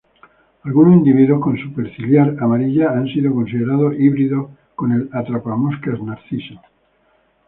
Algunos individuos con superciliar amarilla han sido considerados híbridos con el atrapamoscas narciso.